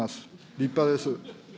立派です。